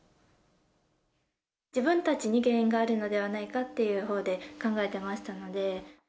自分たちに原因があるのではないかというほうで考えてましたので。